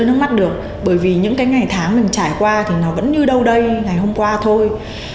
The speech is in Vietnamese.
mình không thể đứng mắt được bởi vì những cái ngày tháng mình trải qua thì nó vẫn như đâu đây ngày hôm qua thôi